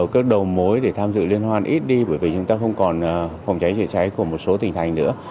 các đầu mối để tham dự liên hoan ít đi bởi vì chúng ta không còn phòng cháy chữa cháy của một số tỉnh thành nữa